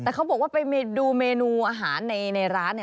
แต่เขาบอกว่าไปดูเมนูอาหารในร้าน